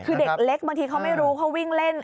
คือเด็กเล็กบางทีเขาไม่รู้เขาวิ่งเล่น